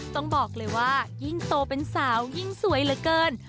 ต้องบอกเลยว่ายิ่งโตเป็นสาวยิ่งสวยเหลือเกิน